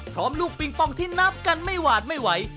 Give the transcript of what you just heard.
ลูกปิงปองที่นับกันไม่หวาดไม่ไหว